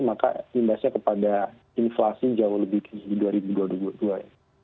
maka imbasnya kepada inflasi jauh lebih tinggi di dua ribu dua puluh dua ini